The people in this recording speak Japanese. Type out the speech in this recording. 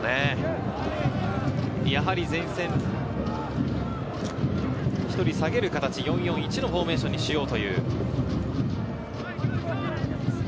やはり前線、１人下げる形、４−４−１のフォーメーションにしようという。